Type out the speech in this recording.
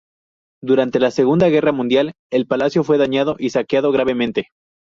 Durante la Segunda Guerra Mundial el palacio fue dañado y saqueado gravemente.